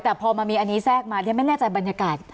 แต่พอมีอันนี้แทรกมายังไม่แน่ใจบรรยากาศ